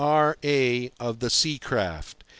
R.A. of the sea craft.